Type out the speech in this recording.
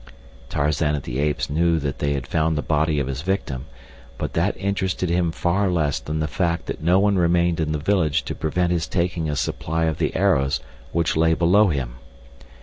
Tarzan of the Apes knew that they had found the body of his victim, but that interested him far less than the fact that no one remained in the village to prevent his taking a supply of the arrows which lay below him.